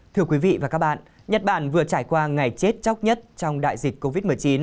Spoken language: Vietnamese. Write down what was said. thưa quý vị và các bạn nhật bản vừa trải qua ngày chết chóc nhất trong đại dịch covid một mươi chín